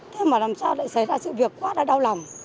thế mà làm sao lại xảy ra sự việc quá là đau lòng